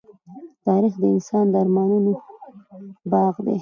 تاریخ د انسان د ارمانونو باغ دی.